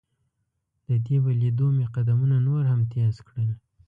د دې په لیدو مې قدمونه نور هم تیز کړل.